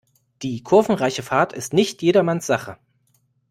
Die kurvenreiche Fahrt ist nicht jedermanns Sache.